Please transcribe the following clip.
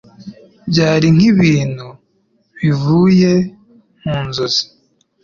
Byari nkibintu bivuye mu nzozi.